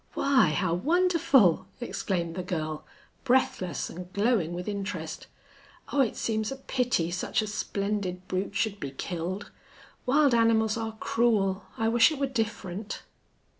"Why, how wonderful!" exclaimed the girl, breathless and glowing with interest. "Oh, it seems a pity such a splendid brute should be killed. Wild animals are cruel. I wish it were different."